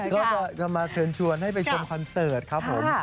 เขาก็จะมาเชิญชวนให้ไปชมคอนเสิร์ตครับผม